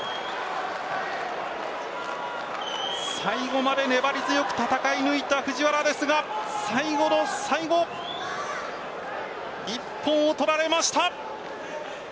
最後まで粘り強く戦い抜いた藤原ですが最後の最後一本を取られました。